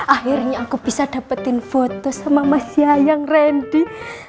akhirnya aku bisa dapetin foto sama mas yaya yang rendi